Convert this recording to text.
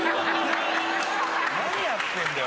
何やってんだよ